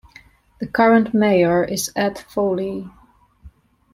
The current mayor is Ed Foley.